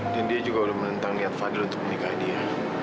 dan dia juga udah menentang niat fadil untuk menikah dia